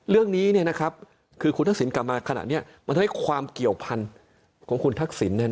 เรื่องนี้คือคุณทักษิณกลับมาขณะนี้มันทำให้ความเกี่ยวพันธุ์ของคุณทักษิณ